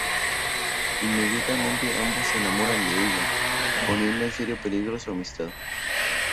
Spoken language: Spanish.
Inmediatamente ambos se enamoran de ella, poniendo en serio peligro su amistad.